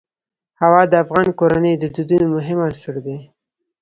هوا د افغان کورنیو د دودونو مهم عنصر دی.